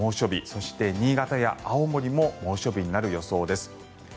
そして、新潟や青森も猛暑日になる予想です。